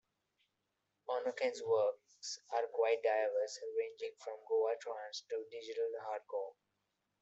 Onoken's works are quite diverse, ranging from goa trance to Digital hardcore.